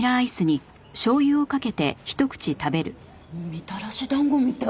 みたらし団子みたい！